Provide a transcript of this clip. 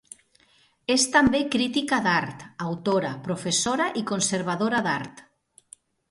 És també crítica d'art, autora, professora i conservadora d'art.